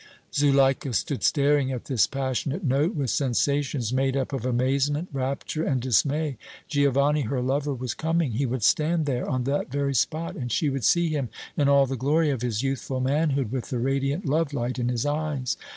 Zuleika stood staring at this passionate note with sensations made up of amazement, rapture and dismay. Giovanni, her lover, was coming. He would stand there, on that very spot, and she would see him in all the glory of his youthful manhood, with the radiant love light in his eyes.